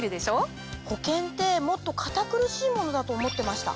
保険ってもっと堅苦しいものだと思ってました。